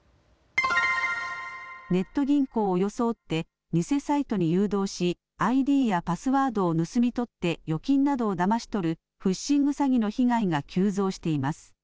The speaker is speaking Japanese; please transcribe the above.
ネット銀行を装って偽サイトに誘導しＩＤやパスワードを盗み取って預金などをだまし取るフィッシング詐欺の被害が急増しています。